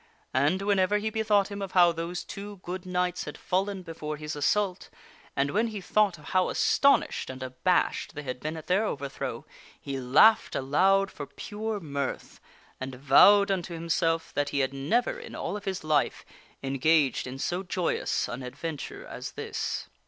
And whenever he bethought him of how those two good knights had fallen before his assault, and when he thought of how astonished and abashed they had been at their overthrow, he laughed aloud for pure mirth, and vowed unto himself that he had never in all of his life engaged in so joyous an adventure as this.